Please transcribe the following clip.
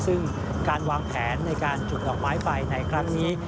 ซึ่งการวางแผนในการจุดดอกไม้ไฟในครั้งนี้